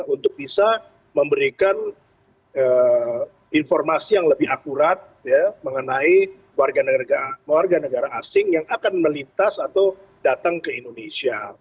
untuk bisa memberikan informasi yang lebih akurat mengenai warga negara asing yang akan melintas atau datang ke indonesia